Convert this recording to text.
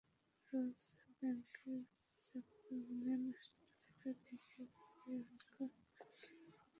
রোজব্যাংকের চকমিলান অট্টালিকা থেকে বেরিয়ে হালকা চালে হেঁটে চলে আসি সড়কের বাঁকে।